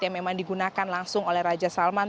yang memang digunakan langsung oleh raja salman